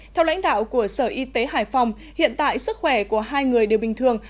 theo lãnh đạo của sở y tế hải phòng hiện tại sức khỏe của hai người đều bình thường